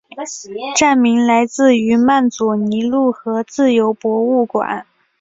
站名来自于曼佐尼路和自由博物馆。